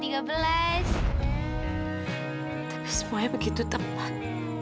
tapi semuanya begitu tepat